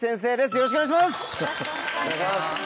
よろしくお願いします！